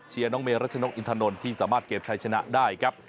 เชียร์น้องเมย์รัชนกอิณฑนที่สามารถเก็บชายชนะได้ครับ